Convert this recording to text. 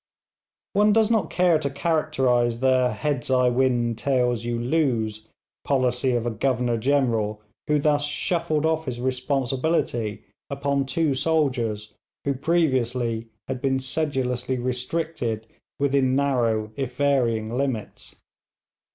One does not care to characterise the 'heads I win, tails you lose' policy of a Governor General who thus shuffled off his responsibility upon two soldiers who previously had been sedulously restricted within narrow if varying limits.